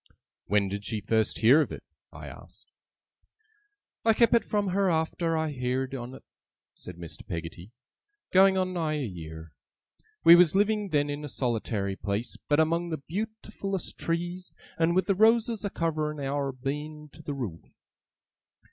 'When did she first hear of it?' I asked. 'I kep it from her arter I heerd on 't,' said Mr. Peggotty, 'going on nigh a year. We was living then in a solitary place, but among the beautifullest trees, and with the roses a covering our Beein to the roof.